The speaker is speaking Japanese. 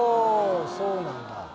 そうなんだ